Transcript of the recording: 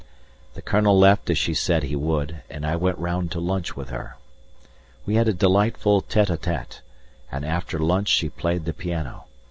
The Colonel left as she said he would, and I went round to lunch with her. We had a delightful tête à tête, and after lunch she played the piano.